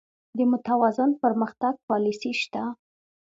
د متوازن پرمختګ پالیسي شته؟